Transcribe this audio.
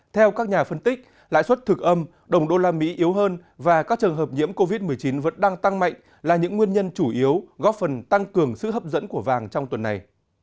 theo các nhà phân tích lãi suất thực âm đồng đô la mỹ yếu hơn và các trường hợp nhiễm covid một mươi chín vẫn đang tăng mạnh là những nguyên nhân chủ yếu góp phần tăng cường sự hấp dẫn của vàng trong tuần này